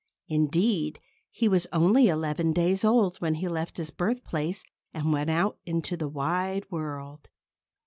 Indeed, he was only eleven days old when he left his birthplace and went out into the wide world.